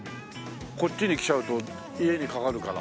こっちに来ちゃうと家に掛かるから。